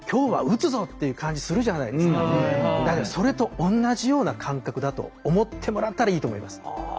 それと同じような感覚だと思ってもらったらいいと思います。